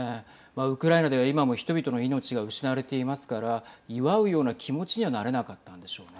ウクライナでは今も人々の命が失われていますから祝うような気持ちにはなれなかったんでしょうね。